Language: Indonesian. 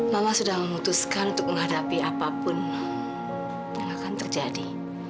mama sudah memutuskan untuk menghadapi apapun yang akan terjadi